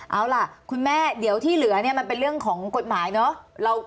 เอาล่ะคุณแม่เดี๋ยวที่เหลือเนี่ยมันเป็นเรื่องของกฎหมายเนอะ